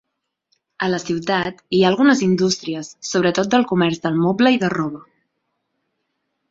A la ciutat hi ha algunes indústries sobretot del comerç del moble i de roba.